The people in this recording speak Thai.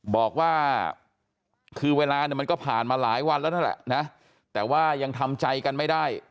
บอกว่าคือเวลาเนี่ยมันก็ผ่านมาหลายวันแล้วนั่นแหละนะแต่ว่ายังทำใจกันไม่ได้